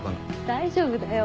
大丈夫だよ。